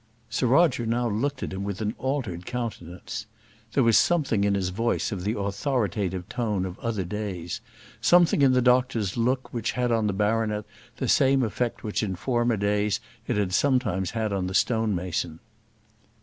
Sir Roger now looked at him with an altered countenance. There was something in his voice of the authoritative tone of other days, something in the doctor's look which had on the baronet the same effect which in former days it had sometimes had on the stone mason.